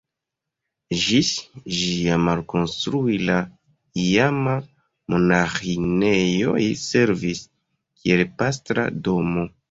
Ĝis ĝia malkonstrui la iama monaĥinejo servis kiel pastra domo.